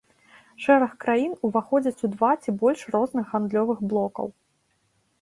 Шэраг краін уваходзяць у два ці больш розных гандлёвых блокаў.